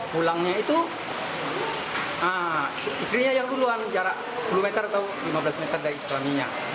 pulangnya itu istrinya yang duluan jarak sepuluh meter atau lima belas meter dari suaminya